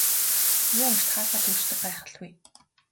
Юун эрт хаалгаа түгждэг гайхал вэ.